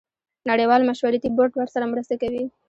نړیوال مشورتي بورډ ورسره مرسته کوي.